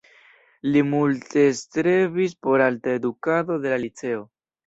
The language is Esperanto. Li multe strebis por alta edukado de la liceo.